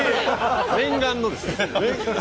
念願のです。